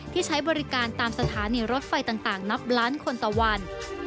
ใช้บริการตามสถานีรถไฟต่างนับล้านคนต่อวัน